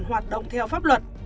hoạt động theo pháp luật